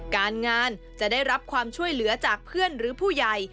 การงานจะได้รับความช่วยเหลือจากเพื่อนหรือผู้ใหญ่